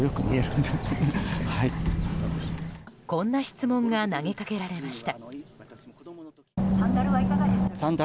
こんな質問が投げかけられました。